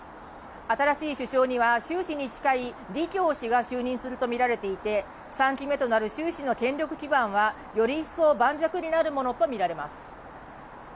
新しい首相には習氏に近い李強氏が就任するとみられていて３期目となる習氏の権力基盤はより一層盤石になるものとみられます。